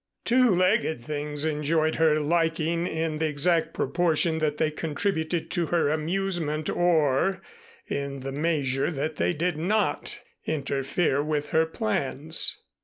Two legged things enjoyed her liking in the exact proportion that they contributed to her amusement or in the measure that they did not interfere with her plans.